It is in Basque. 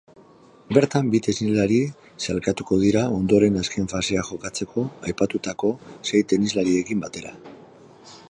Bertan bi tenislari sailkatuko dira ondoren azken fasea jokatzeko aipatutako sei tenislariekin batera.